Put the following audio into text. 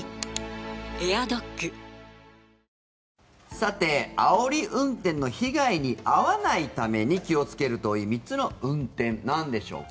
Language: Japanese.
さて、あおり運転の被害に遭わないために気をつけるといい３つの運転なんでしょうか。